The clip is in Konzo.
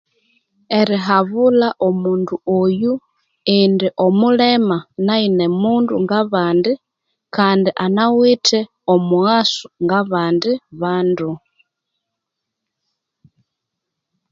Erihabulha omundu oyu indi omulema nayo nimundu ngabandi kandi anawithe omughaso ngabandi bandu.